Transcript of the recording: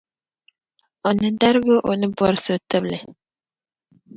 O ni dargi o ni bɔri so tibli.